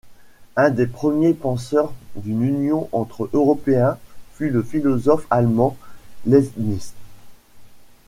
Un des premiers penseurs d’une union entre Européens fut le philosophe allemand Leibniz.